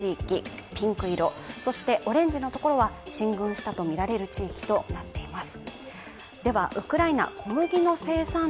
ロシア軍が制圧したとみられる地域、ピンク色そしてオレンジのところは進軍したとみられる地域となっています。